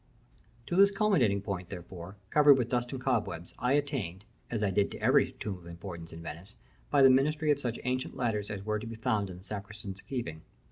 To this culminating point, therefore, covered with dust and cobwebs, I attained, as I did to every tomb of importance in Venice, by the ministry of such ancient ladders as were to be found in the sacristan's keeping.